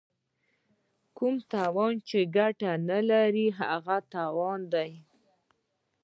کوم تاوان چې ګټه نه لري هغه تاوان دی.